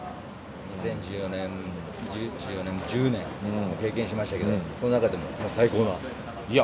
２０１４年２０１０年経験しましたけどその中でも最高の。